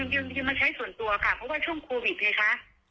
ยืมมาใช้ส่วนตัวค่ะเพราะว่าช่วงโควิดไงคะ